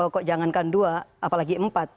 kok jangankan dua apalagi empat